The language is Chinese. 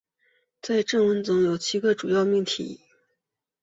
在正文中有七个主要命题。